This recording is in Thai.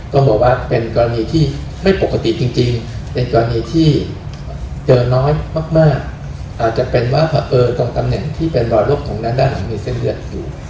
ก็บอกว่าเป็นกรณีที่ไม่ปกติจริงเป็นกรณีที่เจอน้อยมากอาจจะเป็นว่าตรงตำแหน่งที่เป็นรอยลบตรงนั้นด้านหลังมีเส้นเลือดอยู่